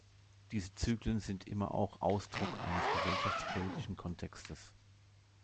Diese Zyklen sind immer auch Ausdruck eines gesellschaftspolitischen Kontextes.